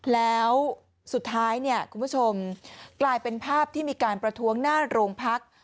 แล้วสุดท้ายเนี่ยคุณผู้ชมกลายเป็นภาพที่มีการประท้วงหน้าโรงพัก